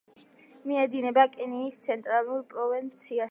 მიედინება კენიის ცენტრალურ პროვინციაში.